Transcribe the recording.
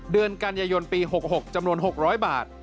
เดือนกันยายนปี๖๖จำนวน๖๐๐บาท